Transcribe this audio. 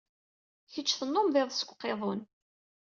Kecc tennummeḍ iḍes deg uqiḍun.